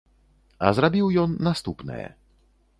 А зрабіў ён наступнае.